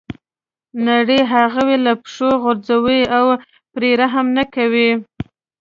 نړۍ هغوی له پښو غورځوي او پرې رحم نه کوي.